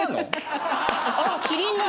あっキリンだ！